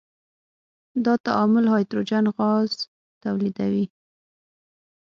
دا تعامل هایدروجن غاز تولیدوي.